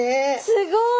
すごい！